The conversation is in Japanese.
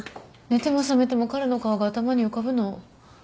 寝ても覚めても彼の顔が頭に浮かぶの。